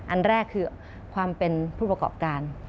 อันแรกคือความเป็นผู้ประกอบการ